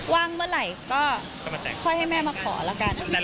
ว่างเมื่อไหร่ก็ค่อยให้แม่มาขอละกัน